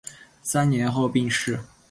三年后病逝。